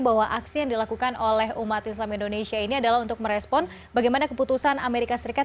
bahwa aksi yang dilakukan oleh umat islam indonesia ini adalah untuk merespon bagaimana keputusan amerika serikat